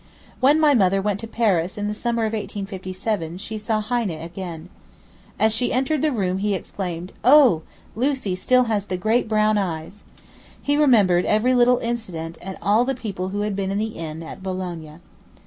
When my mother went to Paris in the summer of 1857 she saw Heine again. As she entered the room he exclaimed 'Oh! Lucie has still the great brown eyes!' He remembered every little incident and all the people who had been in the inn at Boulogne.